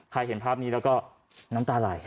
เห็นภาพนี้แล้วก็น้ำตาไหล